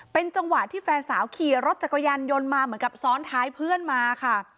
เป็นจังหวะที่แฟนสาวขี่รถจักรยานยนต์มาเหมือนกับซ้อนท้ายเพื่อนมาค่ะ